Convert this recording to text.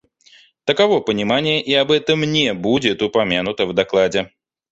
Таково понимание, и об этом не будет упомянуто в докладе.